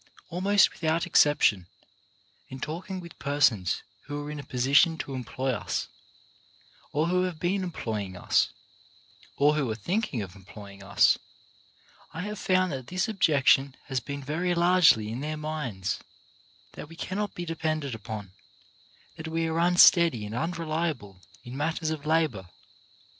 Almost without exception, in talking with per sons who are in a position to employ us, or who have been employing us, or who are thinking of em ploying us, I have found that this objection has been very largely in their minds, — that we cannot 103 io 4 CHARACTER BUILDING be depended upon, that we are unsteady and un reliable in matters of labour.